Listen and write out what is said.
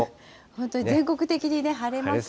本当に全国的にね、晴れますね。